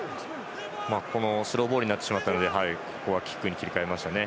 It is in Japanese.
スローボールになってしまったのでここはキックに切り替えましたね。